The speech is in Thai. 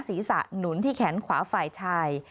หนุนที่แขนขวาฝ่ายชาย